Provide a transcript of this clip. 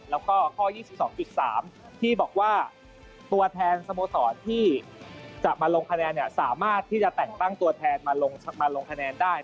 แล้วก็ข้อ๒๒๓ที่บอกว่าตัวแทนสโมสรที่จะมาลงคะแนนสามารถที่จะแต่งตั้งตัวแทนมาลงคะแนนได้